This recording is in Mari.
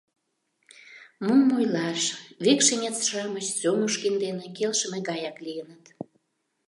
Мом ойлаш, «векшинец-шамыч» Сёмушкин дене келшыме гаяк лийыныт.